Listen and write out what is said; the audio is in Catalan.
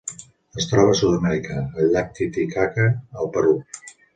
Es troba a Sud-amèrica: el llac Titicaca al Perú.